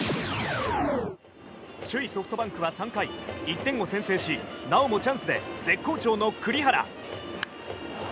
首位ソフトバンクは３回１点を先制しなおもチャンスで絶好調の栗原。